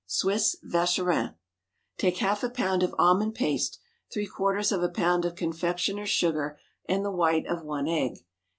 Swiss Vacherin. Take half a pound of almond paste, three quarters of a pound of confectioners' sugar, and the white of one egg.